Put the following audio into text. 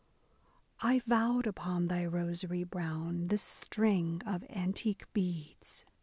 " I vowed upon thy rosary brown, this string of antique beads.